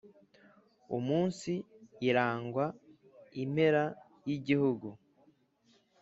Umunsi irangwa impera y'igihugu